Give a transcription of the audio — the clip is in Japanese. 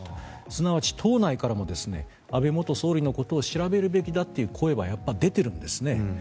すなわち、党内からも安倍元総理のことを調べるべきだという声はやっぱり出てるんですね。